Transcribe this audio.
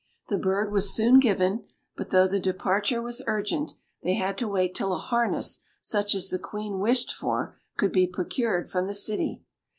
The bird was soon given, but though the departure was urgent, they had to wait till a harness such as the Queen wished for could be procured from the city.